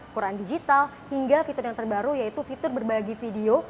quran digital hingga fitur yang terbaru yaitu fitur berbagi video